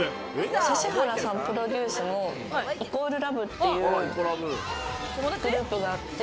指原さんプロデュースの＝ＬＯＶＥっていうグループがあって。